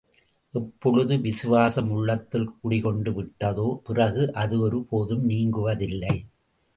எப்பொழுது விசுவாசம் உள்ளத்தில் குடி கொண்டு விட்டதோ, பிறகு அது ஒரு போதும் நீங்குவதில்லை.